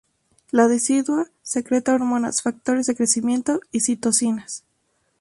La decidua secreta hormonas, factores de crecimiento y citocinas.